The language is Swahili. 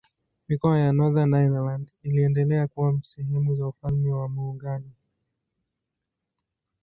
Mikoa ya Northern Ireland iliendelea kuwa sehemu za Ufalme wa Muungano.